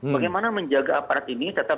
bagaimana menjaga aparat ini tetap